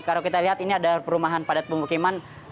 kalau kita lihat ini ada perumahan padat pemukiman